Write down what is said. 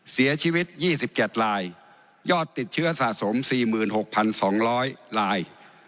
เสียชีวิต๒๗ลายยอดติดเชื้อสะสม๔๖๒๐๐ลาย